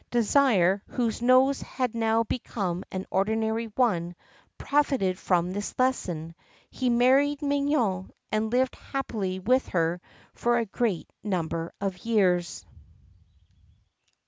Désir, whose nose had now become an ordinary one, profited by this lesson; he married Mignone, and lived happily with her for a great number of years.